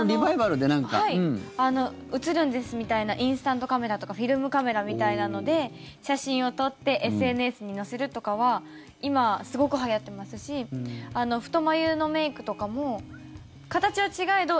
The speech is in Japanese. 「写ルンです」みたいなインスタントカメラとかフィルムカメラみたいなので写真を撮ってＳＮＳに載せるとかは今、すごくはやってますし太眉のメイクとかも形は違えど